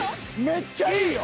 めっちゃいいよ。